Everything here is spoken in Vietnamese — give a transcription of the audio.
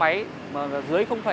ui dồi uống xong à